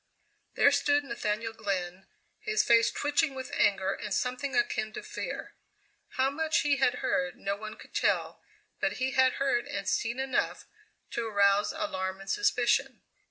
There stood Nathaniel Glenn, his face twitching with anger and something akin to fear. How much he had heard no one could tell, but he had heard and seen enough to arouse alarm and suspicion.